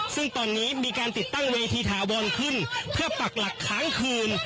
ซึ่งตอนนี้มีการติดตั้งเวทีถาวรขึ้นเพื่อปักหลักค้างคืน